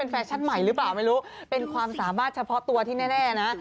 แฟชั่นใหม่หรือเปล่าไม่รู้เป็นความสามารถเฉพาะตัวที่แน่นะ